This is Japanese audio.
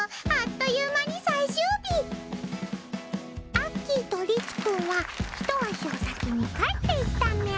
アッキーと律くんは一足お先に帰っていったみゃ。